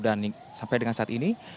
dan sampai dengan saat ini